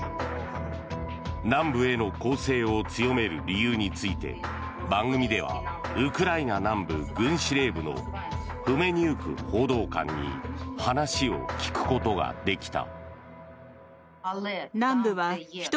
南部への攻勢を強める理由について番組ではウクライナ南部軍司令部のフメニウク報道官に話を聞くことができた。